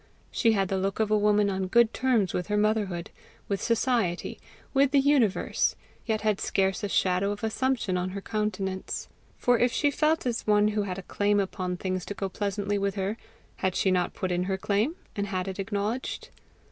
She had the look of a woman on good terms with her motherhood, with society, with the universe yet had scarce a shadow of assumption on her countenance. For if she felt as one who had a claim upon things to go pleasantly with her, had she not put in her claim, and had it acknowledged?